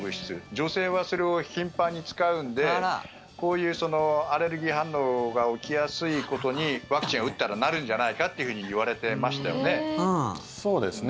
女性はそれを頻繁に使うのでこういうアレルギー反応が起きやすいことにワクチンを打ったらなるんじゃないかというふうにいわれてましたよね。